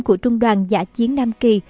của trung đoàn giả chiến nam kỳ